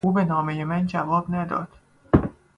او به نامهی من جواب نداد.